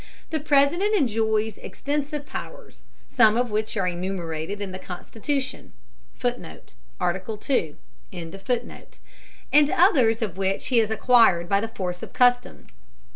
The President enjoys extensive powers, some of which are enumerated in the Constitution, [Footnote: Article II] and others of which he has acquired by the force of custom.